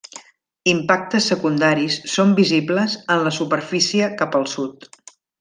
Impactes secundaris són visibles en la superfície cap al sud.